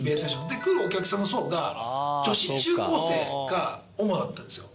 で来るお客さんの層が女子中高生が主だったんですよ